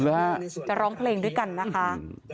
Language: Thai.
จะร้องเพลงด้วยกันนะคะ